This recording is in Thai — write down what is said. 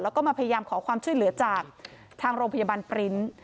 แล้วก็มาพยายามขอความช่วยเหลือจากทางโรงพยาบาลปริ้นต์